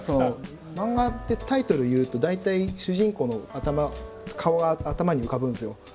漫画ってタイトル言うと大体主人公の顔が頭に浮かぶんですよ